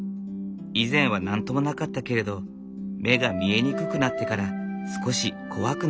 以前は何ともなかったけれど目が見えにくくなってから少し怖くなっていたベニシアさん。